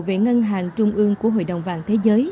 về ngân hàng trung ương của hội đồng vàng thế giới